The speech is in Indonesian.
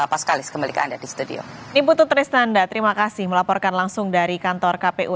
pak skalis kembali ke anda di studio